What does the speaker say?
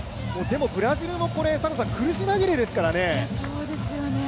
でもブラジルもこれ、苦し紛れですからね。